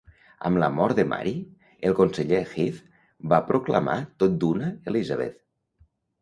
Amb la mort de Mary, el conseller Heath va proclamar tot d'una Elizabeth.